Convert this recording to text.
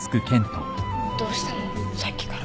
どうしたの？